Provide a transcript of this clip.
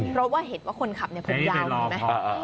เพราะว่าเห็นว่าคนขับผมยาวเห็นไหม